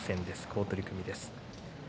好取組です。